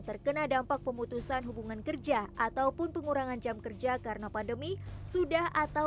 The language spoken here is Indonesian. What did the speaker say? terkena dampak pemutusan hubungan kerja ataupun pengurangan jam kerja karena pandemi sudah atau